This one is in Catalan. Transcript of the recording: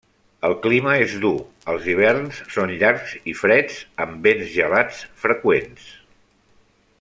El clima és dur, els hiverns són llargs i freds amb vents gelats freqüents.